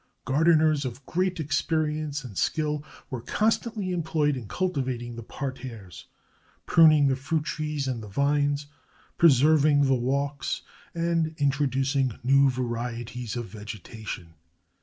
Gardeners of great experience and skill were constantly employed in cultivating the parterres, prun ing the fruit trees and the vines, preserving the walks, and introducing new varieties of vegetation.